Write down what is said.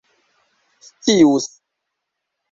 scius